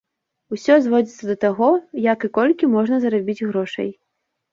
Усё зводзіцца да таго, як і колькі можна зарабіць грошай.